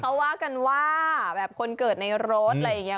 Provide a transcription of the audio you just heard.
เขาว่ากันว่าแบบคนเกิดในรถอะไรอย่างนี้